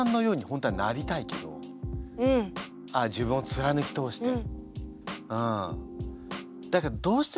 自分を貫き通して。